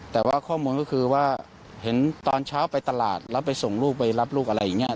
แต่ว่าข้อมูลก็คือว่าเห็นตอนเช้าไปตลาดแล้วไปส่งลูกไปรับลูกอะไรอย่างนี้